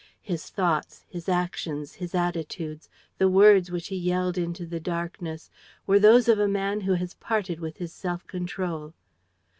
His thoughts, his actions, his attitudes, the words which he yelled into the darkness were those of a man who has parted with his self control.